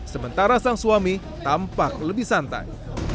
sementara sang suami tampak lebih santai